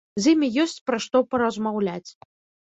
З імі ёсць пра што паразмаўляць.